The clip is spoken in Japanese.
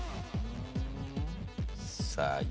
さあ